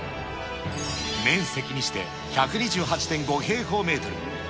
面積にして１２８．５平方メートル。